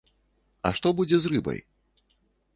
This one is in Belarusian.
А што будзе з рыбай?